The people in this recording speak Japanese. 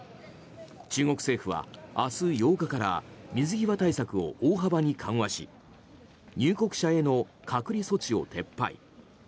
中国政府は明日８日から水際対策を大幅に緩和し入国者への隔離措置を撤廃。